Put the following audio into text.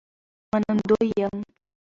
منندوی یم